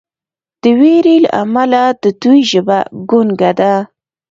د ویرې له امله د دوی ژبه ګونګه ده.